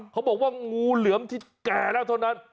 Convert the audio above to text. เขาบอกว่างูเหลือมที่แก่แล้วเท่านั้น